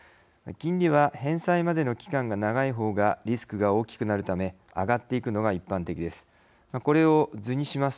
金利は、返済までの期間が長い方がリスクが大きくなるため上がっていくのが一般的です。